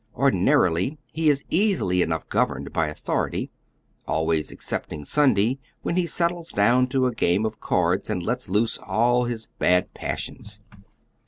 Ordinarily be is easily enough governed by authority — always excepting Sunday, when he settles down to a game of cards and lets loose all liis bad passions.